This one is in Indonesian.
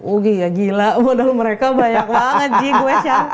oh iya gila modal mereka banyak banget